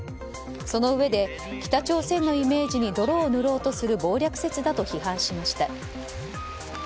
そのうえで北朝鮮のイメージに泥を塗ろうとする謀略説だと批判しました。